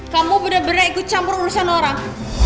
kamu benar benar ikut campur urusan orang